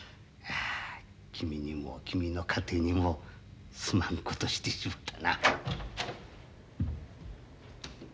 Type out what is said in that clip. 君にも君の家庭にもすまんことしてしもたな。